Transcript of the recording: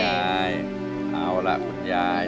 อะแหละคุณยาย